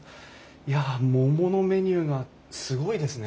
いや桃のメニューがすごいですね。